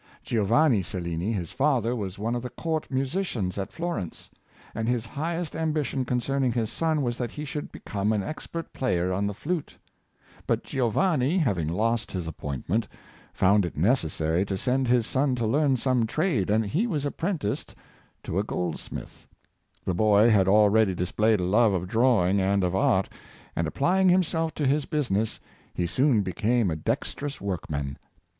Giovanni Cellini, his father, was one of the Court musicians af Florence; and his highest ambition concerning his son was that he should become an expert player on the flute. But Giovanni His Indefatigable Activity, 339 having lost his appointment, found it necessary to send his son to learn some trade, and he was apprenticed to a goldsmith. The boy had already displayed a love of drawing and of art; and, applying himself to his busi ness, he soon became a dextrous workman.